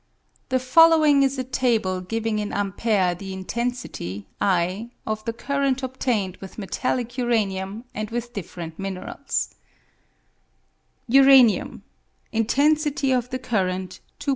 The following is a table giving in amperes the intensity, i, of the current obtained with metallic uranium and with different minerals :—»■ X 10 ' I